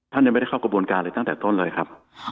ท่านยังไม่ได้เข้ากระบวนการเลยตั้งแต่ต้นเลยครับ